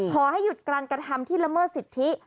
ขอให้หยุดการกระทำที่ละเมิดสิทธิ